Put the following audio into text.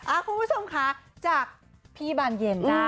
อ้าวคุณผู้ชมคะจากพี่บานเหยียนแหละ